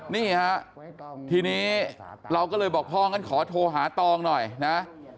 นี่ฮะทีนี้เราก็เลยบอกพ่องั้นขอโทรหาตองหน่อยนะ